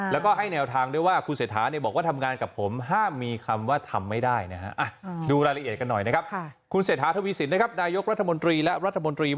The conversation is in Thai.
แล้วก็ให้แนวทางด้วยว่าคุณเศรษฐาบอกว่าทำงานกับผมห้ามมีคำว่าทำไม่ได้นะฮะ